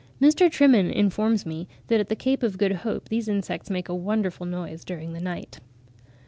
Mr. Trimen informs me that at the Cape of Good Hope these insects make a wonderful noise during the night.